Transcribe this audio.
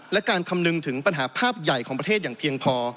และการคำนึงถึงปัญหาภาพใหญ่ของประเทศอย่างเพียงพอ